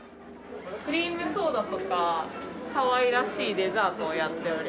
クリームソーダとかかわいらしいデザートをやっております。